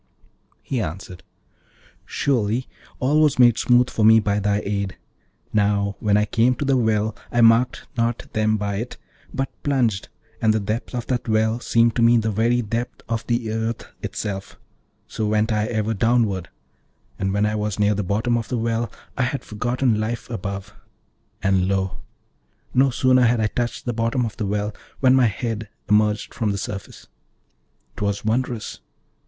He answered, 'Surely all was made smooth for me by thy aid. Now when I came to the well I marked not them by it, but plunged, and the depth of that well seemed to me the very depth of the earth itself, so went I ever downward; and when I was near the bottom of the well I had forgotten life above, and lo! no sooner had I touched the bottom of the well when my head emerged from the surface: 'twas wondrous!